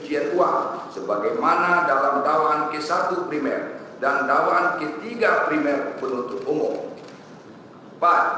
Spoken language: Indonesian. dengan ketentuan sebagaimana dalam dawaan ke satu primer dan dawaan ke tiga primer penuntut umum